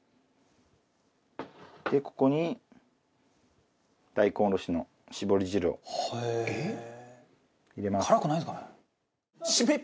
でここに大根おろしの搾り汁を入れます。